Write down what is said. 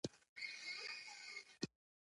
په څو شانداپولیو یې زلوبۍ او پتاسې واخیستې.